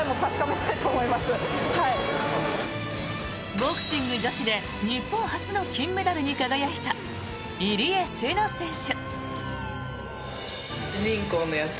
ボクシング女子で日本初の金メダルに輝いた入江聖奈選手。